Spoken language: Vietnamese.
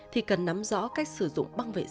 thì cần nắm rõ cách xử lý với hiện tượng xuất tinh